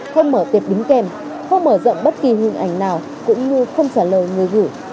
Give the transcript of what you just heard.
không mở tẹp đính kèm không mở rộng bất kỳ hình ảnh nào cũng như không trả lời người gửi